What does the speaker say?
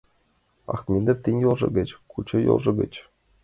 — Ахмедов, тый йолжо гыч кучо, йолжо гыч...